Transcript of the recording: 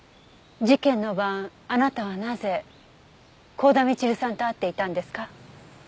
事件の晩あなたはなぜ幸田みちるさんと会っていたんですか？